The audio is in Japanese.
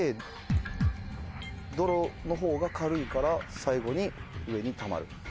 どろの方が軽いから最後に上にたまる。